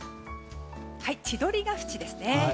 千鳥ケ淵ですね。